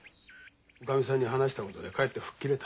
おかみさんに話したことでかえって吹っ切れた。